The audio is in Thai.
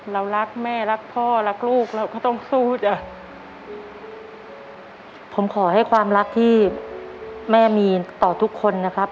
เรารักแม่รักพ่อรักลูกเราก็ต้องสู้จ้ะผมขอให้ความรักที่แม่มีต่อทุกคนนะครับ